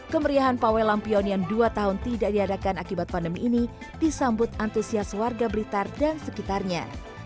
kemeriahan pawai lampion yang dua tahun tidak diadakan akibat pandemi ini disambut antusias warga blitar dan sekitarnya